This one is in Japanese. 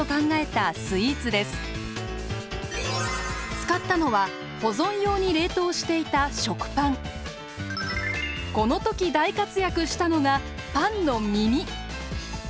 使ったのは保存用に冷凍していたこの時大活躍したのがパンのみみ。